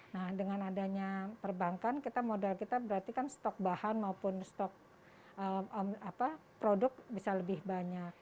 nah dengan adanya perbankan kita modal kita berarti kan stok bahan maupun stok produk bisa lebih banyak